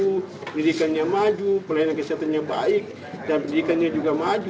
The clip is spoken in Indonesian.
pendidikannya maju pelayanan kesehatannya baik dan pendidikannya juga maju